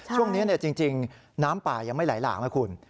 ช่วงนี้จริงน้ำป่ายังไม่ไหลหลากนะคุณ